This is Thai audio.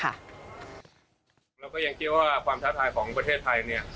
เรายังคิดว่าความท้าทายของประเทศไทยเนี่ย